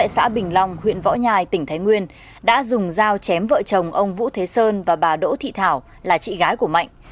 xã bình long huyện võ nhai tỉnh thái nguyên đã dùng dao chém vợ chồng ông vũ thế sơn và bà đỗ thị thảo là chị gái của mạnh